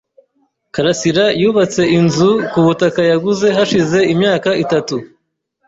Karasirayubatse inzu kubutaka yaguze hashize imyaka itatu.